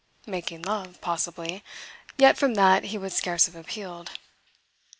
Making love, possibly yet from that he would scarce have appealed.